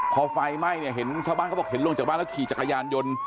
พอไฟไหม้เนี่ยเห็นชาวบ้านเขาบอกเห็นลงจากบ้านแล้วขี่จักรยานยนต์